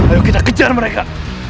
ayo kita kejar mereka